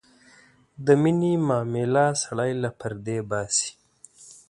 د مینې معامله سړی له پردې باسي.